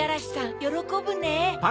よろこぶね。